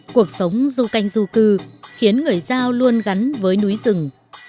cuộc sống du canh du cư khiến người giao luôn gắn với núi rừng